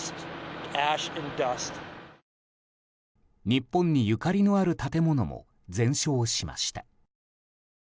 日本にゆかりのある建物も全焼しました。